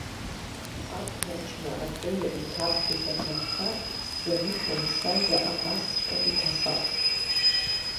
Абнаџьма атәыҩа иҭаршәыз аҭаххар, сзанышәом сажәа абасҵәҟьа иҭахар.